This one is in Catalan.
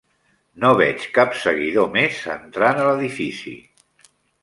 No veig cap seguidor més entrant a l'edifici.